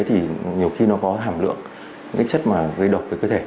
thì nhiều khi nó có hàm lượng những chất gây độc với cơ thể